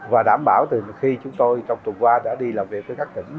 và đảm bảo từ khi chúng tôi trong tuần qua đã đi làm việc với các tỉnh